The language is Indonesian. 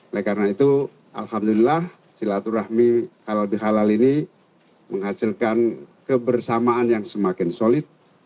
oleh karena itu alhamdulillah silaturahmi halal bihalal ini menghasilkan kebersamaan yang semakin solid